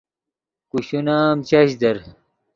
کوشون ام چش در